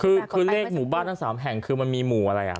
คือคือเลขหมู่บ้านทั้ง๓แห่งคือมันมีหมู่อะไรอ่ะ